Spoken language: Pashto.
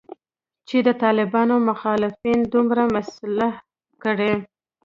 چې د طالبانو مخالفین دومره مسلح کړي